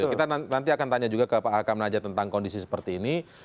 kita nanti akan tanya juga ke pak hakam naja tentang kondisi seperti ini